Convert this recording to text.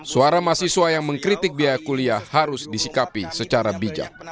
suara mahasiswa yang mengkritik biaya kuliah harus disikapi secara bijak